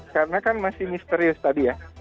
karena kan masih misterius tadi ya